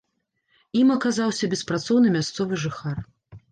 Ім аказаўся беспрацоўны мясцовы жыхар.